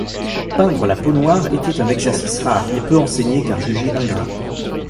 Peindre la peau noire était un exercice rare et peu enseigné car jugé ingrat.